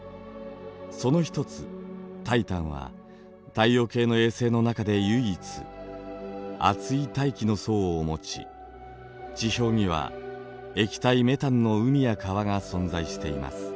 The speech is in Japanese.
その一つタイタンは太陽系の衛星の中で唯一厚い大気の層を持ち地表には液体メタンの海や川が存在しています。